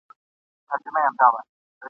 د پیر زیارت ته خیراتونه راځي ..